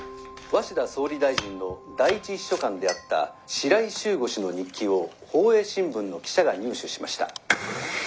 鷲田総理大臣の第一秘書官であった白井柊吾氏の日記を報栄新聞の記者が入手しました。